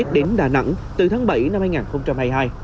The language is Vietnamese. đến đà nẵng từ tháng bảy năm hai nghìn hai mươi hai